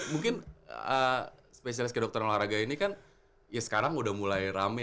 mungkin spesialis kedokteran olahraga ini kan ya sekarang udah mulai rame